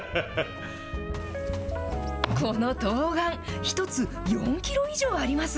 このとうがん、１つ４キロ以上あります。